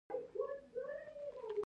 د صرافانو اتحادیه څه کوي؟